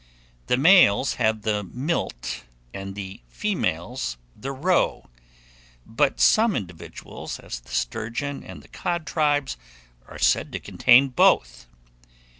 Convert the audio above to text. The males have the milt and the females the roe; but some individuals, as the sturgeon and the cod tribes, are said to contain both.